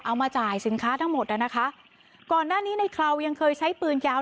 เอามาจ่ายสินค้าทั้งหมดอ่ะนะคะก่อนหน้านี้ในคราวยังเคยใช้ปืนยาว